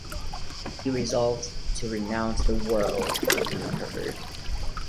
He resolved to renounce the world if he recovered.